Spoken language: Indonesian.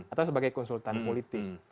atau sebagai konsultan politik